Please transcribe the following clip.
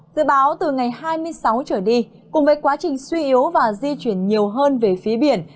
dự báo từ ngày hai mươi sáu trở đi cùng với quá trình suy yếu và di chuyển nhiều hơn về phía biển